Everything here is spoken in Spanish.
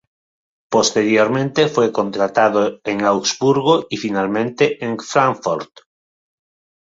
Posteriormente fue contratado en Augsburgo y finalmente en Fráncfort.